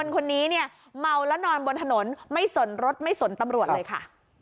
คนนี้เนี่ยเมาแล้วนอนบนถนนไม่สนรถไม่สนตำรวจเลยค่ะ